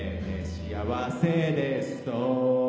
「幸せです」と